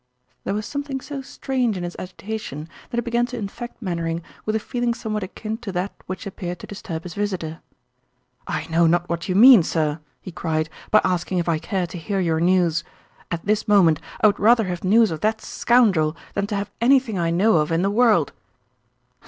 There was something so strange in his agitation that it began to infect Mainwaring with a feeling somewhat akin to that which appeared to disturb his visitor. "I know not what you mean, sir!" he cried, "by asking if I care to hear your news. At this moment I would rather have news of that scoundrel than to have anything I know of in the world."